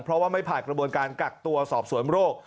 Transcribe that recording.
เพราะว่าไม่ผ่านกระบวนการกักตัวสอบสวนโรค